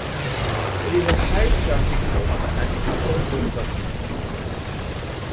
It is a high-traffic road and the preferred route for trucks.